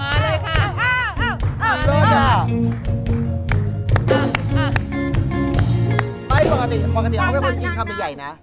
ไม่ปกติเขาไปกินข้าวไหมใหญ่นะ